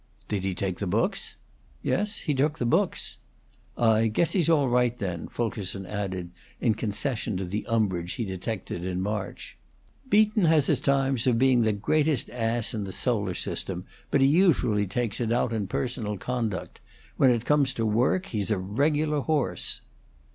"Did he take the books?" "Yes, he took the books." "I guess he's all right, then." Fulkerson added, in concession to the umbrage he detected in March. "Beaton has his times of being the greatest ass in the solar system, but he usually takes it out in personal conduct. When it comes to work, he's a regular horse."